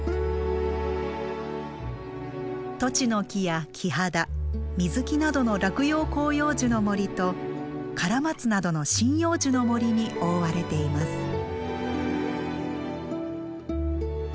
トチノキやキハダミズキなどの落葉広葉樹の森とカラマツなどの針葉樹の森に覆われています。